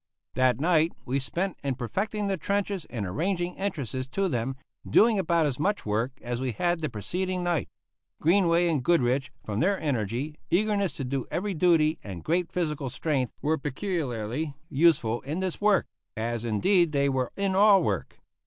That night we spent in perfecting the trenches and arranging entrances to them, doing about as much work as we had the preceding night. Greenway and Goodrich, from their energy, eagerness to do every duty, and great physical strength, were peculiarly useful in this work; as, indeed, they were in all work.